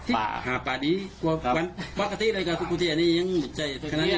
ร้ายเผลอขึ้นขึ้นมาตอนนี้